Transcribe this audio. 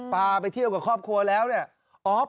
ไปเที่ยวกับครอบครัวแล้วเนี่ย